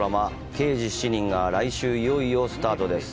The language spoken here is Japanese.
「刑事７人」が来週いよいよスタートです。